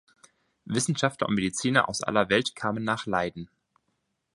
Wissenschaftler und Mediziner aus aller Welt kamen nach Leiden.